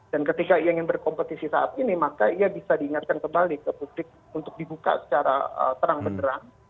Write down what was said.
ketika ia ingin berkompetisi saat ini maka ia bisa diingatkan kembali ke publik untuk dibuka secara terang benerang